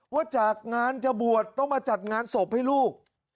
ว่าจากงานจะบวชต้องมาจัดงานศพให้ลูก